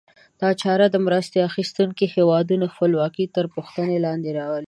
دا چاره د مرسته اخیستونکو هېوادونو خپلواکي تر پوښتنې لاندې راولي.